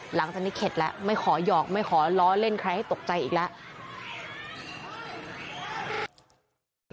หลังจากนี้เข็ดแล้วไม่ขอหยอกไม่ขอล้อเล่นใครให้ตกใจอีกแล้ว